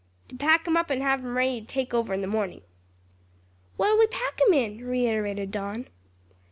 "To pack 'em up and have 'em ready to take over in the morning." "What'll we pack 'em in?" reiterated Don.